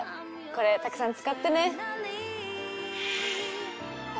これたくさん使ってね。